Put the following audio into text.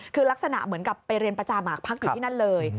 คือลักษณะเหมือนกับไปเรียนประจำพักอยู่ที่นั่นเลย